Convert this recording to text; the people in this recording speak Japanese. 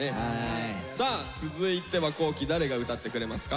さあ続いては皇輝誰が歌ってくれますか？